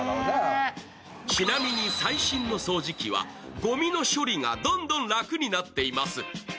ちなみに最新の掃除機はごみの処理がどんどん楽になっています。